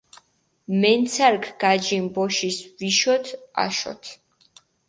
მენცარქ გაჯინჷ ბოშის ვიშოთ, აშოთ.